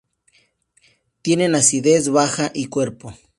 Tienen acidez baja y cuerpo.